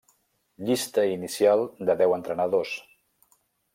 Llista inicial de deu entrenadors.